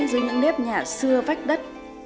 dưới những nếp nhà xưa vách đất